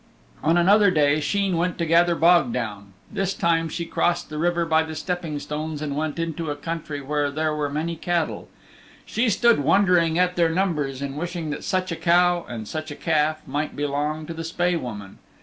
On another day Sheen went to gather bog down. This time she crossed the river by the stepping stones and went into a country where there were many cattle. She stood wondering at their numbers and wishing that such a cow and such a calf might belong to the Spae Woman.